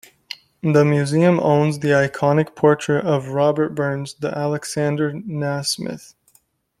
The museum owns the iconic portrait of Robert Burns by Alexander Nasmyth.